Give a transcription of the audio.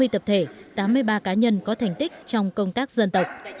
hai mươi tập thể tám mươi ba cá nhân có thành tích trong công tác dân tộc